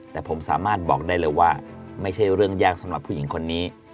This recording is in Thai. แต่ผมสามารถบอกได้เลยว่าไม่ใช่เรื่องยากสำหรับผู้หญิงคนนี้